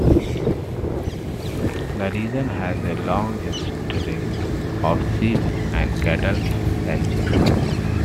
The region has a long history of sheep and cattle ranching.